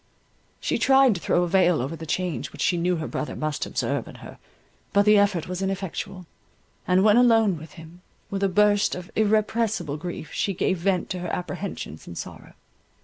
She tried to throw a veil over the change which she knew her brother must observe in her, but the effort was ineffectual; and when alone with him, with a burst of irrepressible grief she gave vent to her apprehensions and sorrow.